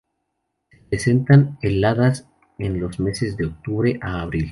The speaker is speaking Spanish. Se presentan heladas en los meses de octubre a abril.